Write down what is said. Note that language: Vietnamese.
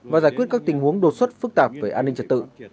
và giải quyết các tình huống đột xuất phức tạp về an ninh trật tự